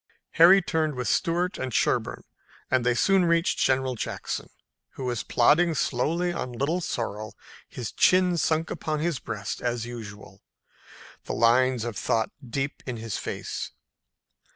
Harry turned with Stuart and Sherburne and they soon reached General Jackson, who was plodding slowly on Little Sorrel, his chin sunk upon his breast as usual, the lines of thought deep in his face.